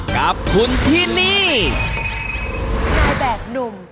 ไหนแบบหนุ่ม